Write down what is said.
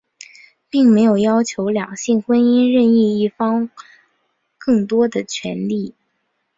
并没有要求比两性婚姻任一方更多的权利。